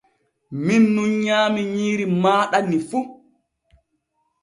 Min nun nyaami nyiiri maaɗa ni fu.